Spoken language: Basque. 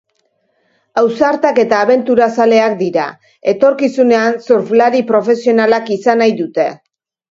Ausartak eta abenturazaleak dira, etorkizunean surflari profesionalak izan nahi dute.